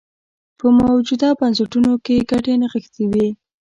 په موجوده بنسټونو کې یې ګټې نغښتې وې.